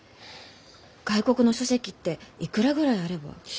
外国の書籍っていくらぐらいあれば？